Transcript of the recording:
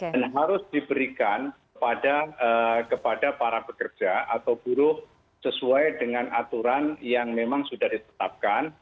harus diberikan kepada para pekerja atau buruh sesuai dengan aturan yang memang sudah ditetapkan